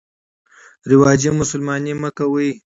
رواجي مسلماني مه کوئ.